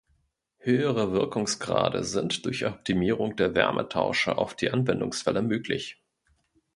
Höhere Wirkungsgrade sind durch Optimierung der Wärmetauscher auf die Anwendungsfälle möglich.